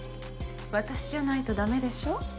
私じゃないとダメでしょ？